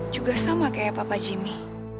juga sama kayak papa jimmy